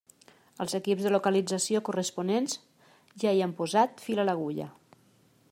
Els equips de localització corresponents ja hi han posat fil a l'agulla.